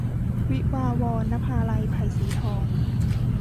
วิวาห์วอน - นภาลัย ไผ่สีทอง